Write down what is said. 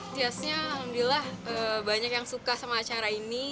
setelah ini banyak orang suka dengan acara ini